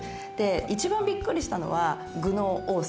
一番びっくりしたのは具の多さ。